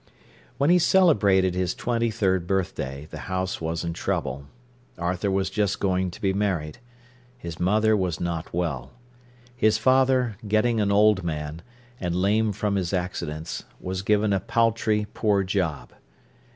When he celebrated his twenty third birthday, the house was in trouble. Arthur was just going to be married. His mother was not well. His father, getting an old man, and lame from his accidents, was given a paltry, poor job.